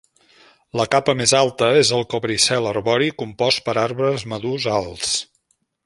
La capa més alta és el cobricel arbori compost per arbres madurs alts.